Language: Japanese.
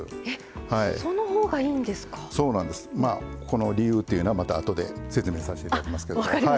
この理由というのはまたあとで説明させて頂きますけど。